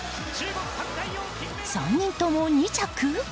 ３人とも２着？